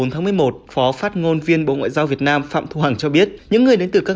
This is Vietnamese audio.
bốn tháng một mươi một phó phát ngôn viên bộ ngoại giao việt nam phạm thu hằng cho biết những người đến từ các